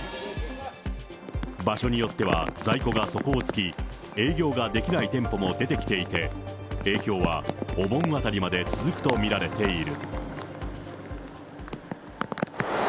場所によっては、在庫が底をつき、営業ができない店舗も出てきていて、影響はお盆あたりまで続くと見られている。